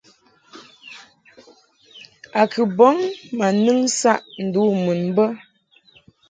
A kɨ bɔŋ ma nɨŋ saʼ ndu mun bə.